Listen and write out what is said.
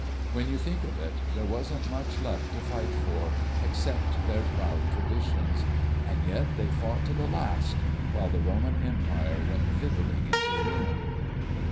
When you think of it, there wasn't much left to fight for, except their proud traditions. And yet they fought to the last ... while the Roman Empire went fiddling into ruin."